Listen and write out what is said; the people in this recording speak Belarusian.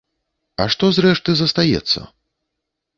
А што, зрэшты, застаецца?